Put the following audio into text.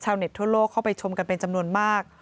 เต็ดทั่วโลกเข้าไปชมกันเป็นจำนวนมาก